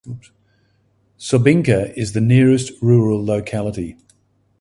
Sobinka is the nearest rural locality.